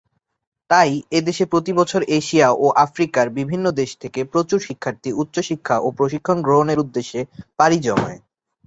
তাই এদেশে প্রতি বছর এশিয়া ও আফ্রিকার বিভিন্ন দেশ থেকে প্রচুর শিক্ষার্থী উচ্চশিক্ষা ও প্রশিক্ষণ গ্রহণের উদ্দেশ্যে পাড়ি জমায়।